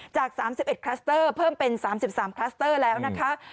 จาก๓๑คลัสเตอร์เพิ่มเป็น๓๓คลัสเตอร์แล้วนะคะ